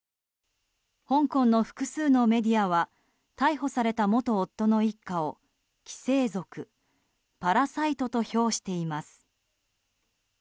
香港の複数のメディアは逮捕された元夫の一家を寄生族、パラサイトと評しています。